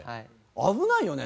危ないよね。